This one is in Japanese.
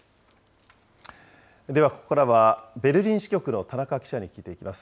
ではここからは、ベルリン支局の田中記者に聞いていきます。